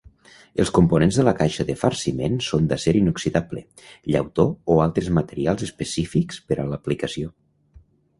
Els components de la caixa de farciment són d'acer inoxidable, llautó o altres materials específics per a l'aplicació.